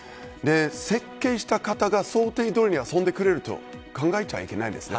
設計した方が想定どおりに遊んでくれると考えちゃいけないですね。